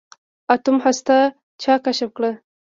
د اتوم هسته چا کشف کړه.